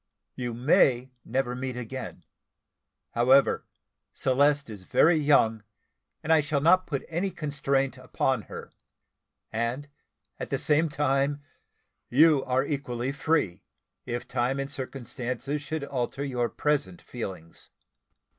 You may never meet again. However, Celeste is very young, and I shall not put any constraint upon her; and at the same time you are equally free, if time and circumstances should alter your present feelings."